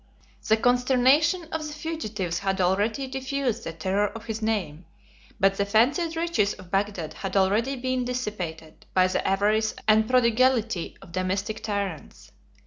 The consternation of the fugitives had already diffused the terror of his name; but the fancied riches of Bagdad had already been dissipated by the avarice and prodigality of domestic tyrants.